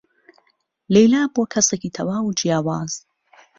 لەیلا بووە کەسێکی تەواو جیاواز.